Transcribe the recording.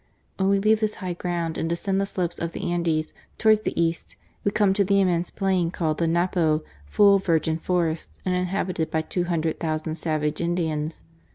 When we leave this high ground and descend' the slopes of the Andes, towards the east, we come to the immense plain called the Napo, full of virgin forests and inhabited by two hundred thousand savage Indians.